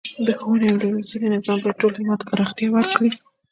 د ښوونې او روزنې نظام باید ټول هیواد ته پراختیا ورکړي.